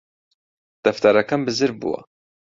دەفتەرەکەم بزر بووە